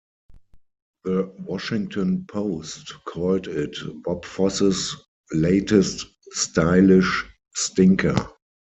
"The Washington Post" called it "Bob Fosse's latest stylish stinker.